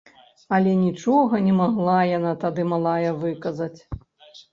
Але нічога не магла яна, тады малая, выказаць.